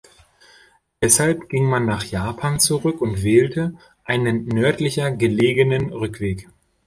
Deshalb ging man nach Japan zurück und wählte einen nördlicher gelegenen Rückweg.